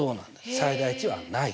最大値はないと。